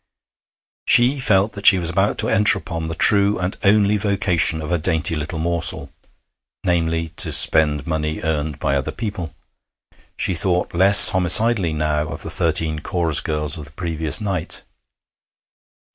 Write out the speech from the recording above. She felt that she was about to enter upon the true and only vocation of a dainty little morsel namely, to spend money earned by other people. She thought less homicidally now of the thirteen chorus girls of the previous night.